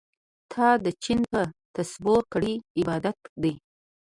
تا د چين په تسبو کړی عبادت دی